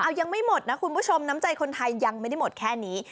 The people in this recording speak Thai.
เอายังไม่หมดนะคุณผู้ชมน้ำใจคนไทยยังไม่ได้หมดแค่นี้